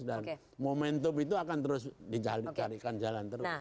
dan momentum itu akan terus dicarikan jalan terus